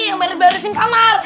yang beres beresin kamar